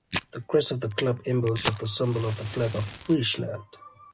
The crest on the club emblem is the symbol of the flag of Friesland.